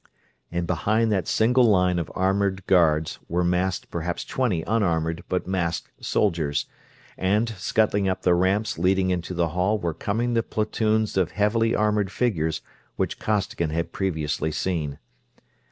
And behind that single line of armored guards were massed perhaps twenty unarmored, but masked, soldiers; and scuttling up the ramps leading into the hall were coming the platoons of heavily armored figures which Costigan had previously seen.